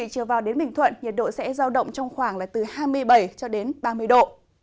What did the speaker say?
trở vào đến bình thuận nhiệt độ sẽ giao động trong khoảng là từ hai mươi bảy cho đến ba mươi độ